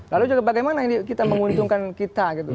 lalu juga bagaimana ini kita menguntungkan kita gitu